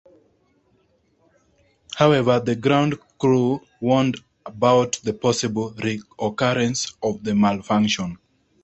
However, the ground crew warned about the possible re-occurrence of the malfunction.